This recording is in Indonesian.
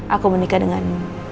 aku menikah dengan